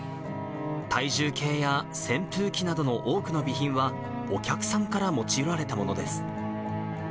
体重計や扇風機などの多くの備品は、お客さんから持ち寄られたものです。